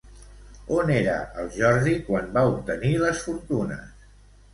On era el Jordi quan va obtenir les fortunes?